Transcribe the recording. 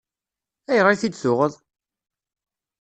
Ayɣer i t-id-tuɣeḍ?